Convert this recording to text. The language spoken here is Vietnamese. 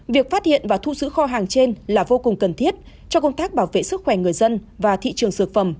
việc phát hiện và thu giữ kho hàng trên là vô cùng cần thiết cho công tác bảo vệ sức khỏe người dân